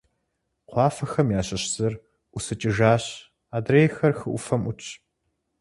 Кхъуафэхэм ящыщ зыр ӀусыкӀыжащ, адрейхэр хы Ӏуфэм Ӏутщ.